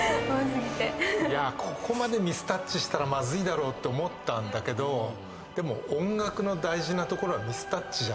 ここまでミスタッチしたらまずいだろうと思ったけど音楽の大事なところはミスタッチじゃないんですよね。